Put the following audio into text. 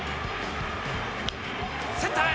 センターへ！